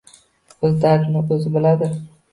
O‘z dardi o‘zi bilan.